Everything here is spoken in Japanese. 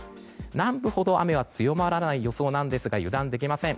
南部ほど雨は強まらない予想なんですが油断できません。